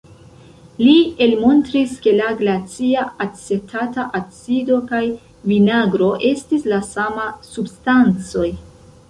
Li elmontris ke la glacia acetata acido kaj vinagro estis la sama substancoj.